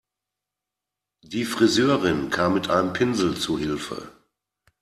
Die Friseurin kam mit einem Pinsel zu Hilfe.